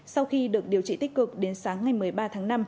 sau khi được điều trị tích cực đến sáng ngày một mươi ba tháng năm